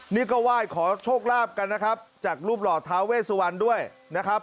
นี่ก็ไหว้ขอโชคลาภกันนะครับจากรูปหล่อท้าเวสวันด้วยนะครับ